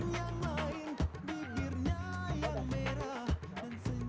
iya bener saya s satu